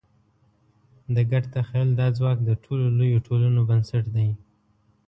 د ګډ تخیل دا ځواک د ټولو لویو ټولنو بنسټ دی.